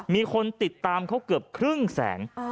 มีคนติดตามเขาเกือบครึ่งแสน